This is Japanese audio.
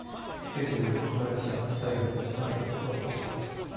政治部、徳丸記者、国際部、市原デスクとお伝えしました。